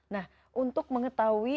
nah untuk mengetahui